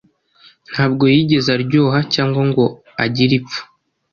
Ntabwo yigeze aryoha, cyangwa ngo agire ipfa